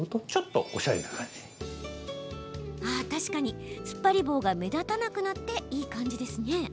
確かに、つっぱり棒が目立たなくなって、いい感じ。